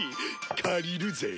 借りるぜ。